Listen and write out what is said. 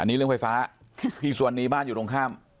อันนี้เรื่องไฟฟ้าพี่สุวรรณีบ้านอยู่ตรงข้าม